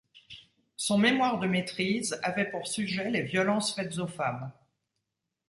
Son mémoire de maîtrise avait pour sujet les violences faites aux femmes.